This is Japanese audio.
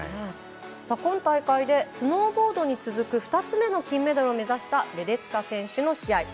今大会でスノーボードに続く２つ目の金メダルを目指したレデツカ選手の試合。